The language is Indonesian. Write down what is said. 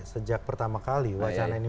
sejak pertama kali wacana ini